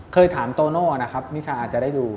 เคยถามโตโน่นะครับนิชาอาจจะได้ดู